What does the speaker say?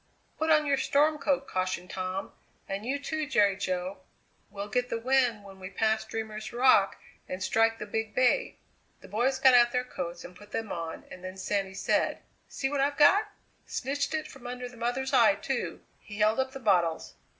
"Put on your storm coat," cautioned Tom, "and you, too, Jerry Jo; we'll get the wind when we pass Dreamer's Rock and strike the Big Bay." The boys got out their coats and put them on, and then Sandy said: "See what I've got! Snitched it from under the mother's eye, too!" He held up the bottles.